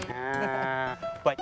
nah baca ini ya